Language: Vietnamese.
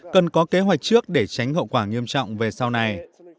cần có kế hoạch trước để tránh hậu quả nghiêm trọng về sau này